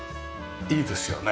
いいですよね。